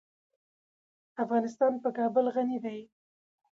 افغانستان په کابل غني دی.